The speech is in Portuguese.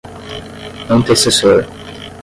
antecessor